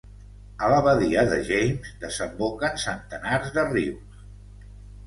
A la badia de James desemboquen centenars de rius.